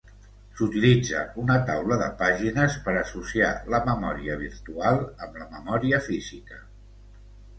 S'utilitza una taula de pàgines per associar la memòria virtual amb la memòria física.